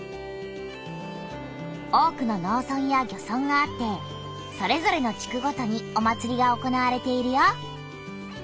多くの農村や漁村があってそれぞれの地区ごとにお祭りが行われているよ。